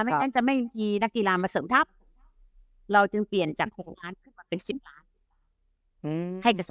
ไม่งั้นจะไม่มีนักกีฬามาเสริมทัพเราจึงเปลี่ยนจากโรงพยาบาลขึ้นมาเป็นสินภาพ